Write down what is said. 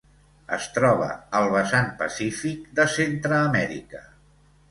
Es troba al vessant pacífic de Centreamèrica.